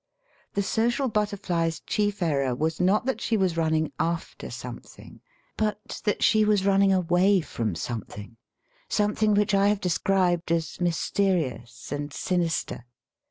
The social butterfly's chief error was not that she was running after something, but that she was running away from something — some thing which I have described as mysterious and sinister.